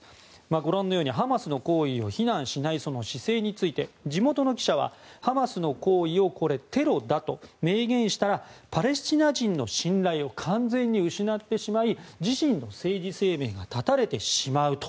ご覧のようにハマスの行為を非難しない姿勢について地元の記者はハマスの行為をテロだと明言したパレスチナ人の信頼を完全に失ってしまい自身の政治生命が断たれてしまうと。